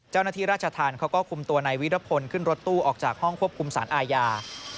เจ้าหน้าที่ราชธรรมเขาก็คุมตัวนายวิรพลขึ้นรถตู้ออกจากห้องควบคุมสารอาญา